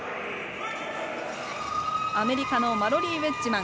アメリカのマロリー・ウェッジマン。